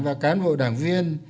và cán bộ đảng viên